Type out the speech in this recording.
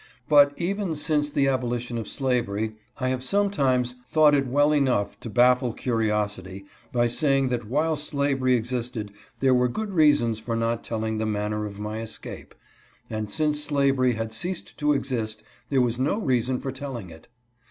But, even since the abolition of slavery, I have sometimes thought it well (242) HOW HE ESCAPED. 245 enough to baffle curiosity by saying that while slavery existed there were good reasons for not telling the man ner of my escape, and since slavery had ceased to exist there was no reason for telling it.